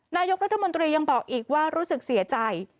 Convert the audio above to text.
นายกรัฐมนตรียังบอกอีกว่ารู้สึกเสียใจ